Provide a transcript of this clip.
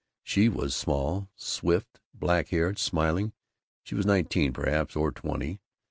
She was small, swift, black haired, smiling. She was nineteen, perhaps, or twenty.